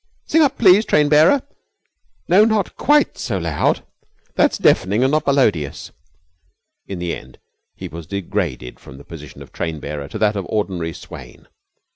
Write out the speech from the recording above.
Sing up, please, train bearer. No, not quite so loud. That's deafening and not melodious." In the end he was degraded from the position of train bearer to that of ordinary "swain."